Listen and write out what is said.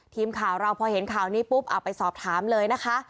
ทีมข่าวเราพอเห็นข่าวนี้ปุ๊บเอาไปสอบถามเลยนะคะ